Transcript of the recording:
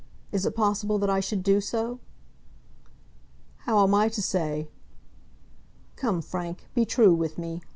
Is it possible that I should do so?" "How am I to say?" "Come, Frank, be true with me.